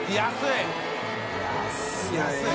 安い！